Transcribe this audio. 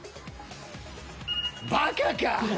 バカか！